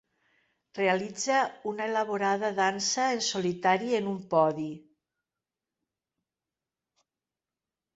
Realitza una elaborada dansa en solitari en un podi.